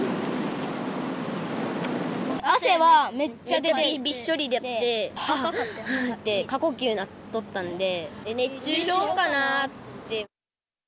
汗はめっちゃびっしょりで、はあはあって、過呼吸になっとったんで、熱中症かなって。